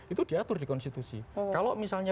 itu diatur di konstitusi kalau misalnya